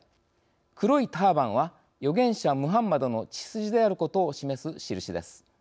黒いターバンは預言者ムハンマドの血筋であることを示す印です。